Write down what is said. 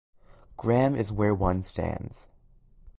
Graham is where one stands.